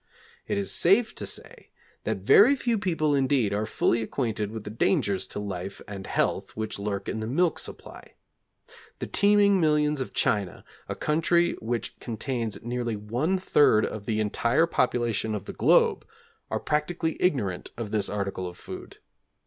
It is safe to say that very few people indeed are fully acquainted with the dangers to life and health which lurk in the milk supply.... The teeming millions of China, a country which contains nearly one third of the entire population of the globe, are practically ignorant of this article of food.